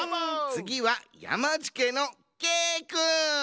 つぎはやまじけのけいくん！